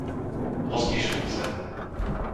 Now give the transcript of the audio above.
Hostišovce